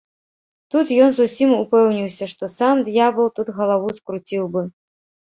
Тут ён зусім упэўніўся, што сам д'ябал тут галаву скруціў бы.